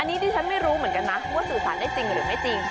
อันนี้ดิฉันไม่รู้เหมือนกันนะว่าสื่อสารได้จริงหรือไม่จริง